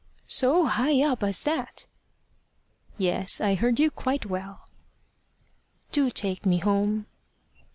"So high up as that?" "Yes; I heard you quite well." "Do take me home."